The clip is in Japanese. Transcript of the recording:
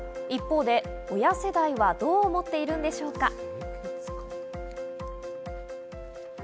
一方で親世代はどう思っているんでしょうか。